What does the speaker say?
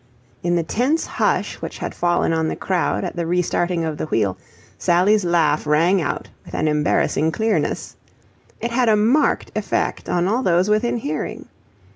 In the tense hush which had fallen on the crowd at the restarting of the wheel, Sally's laugh rang out with an embarrassing clearness. It had a marked effect on all those within hearing.